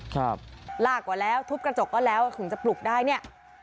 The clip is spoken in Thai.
ครับลากกว่าแล้วทุบกระจกก็แล้วถึงจะปลุกได้เนี่ย